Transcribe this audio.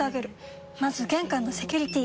まず玄関のセキュリティ！